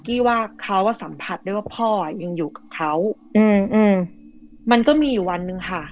ที่ว่าเขาสัมผัสได้ว่าพ่ออ่ะยังอยู่กับเขาอืมมันก็มีอยู่วันหนึ่งค่ะ